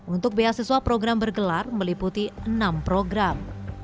untuk beasiswa program bergelar meliputi enam program